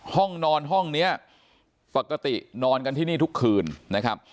ห้องนอนห้องนี้ปกตินอนกันที่นี่ทุกคืนนะครับ